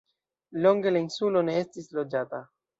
Longe la insulo ne estis loĝata.